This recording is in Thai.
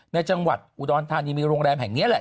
ในจังหวัดอุดรธานีมีโรงแรมแห่งนี้แหละ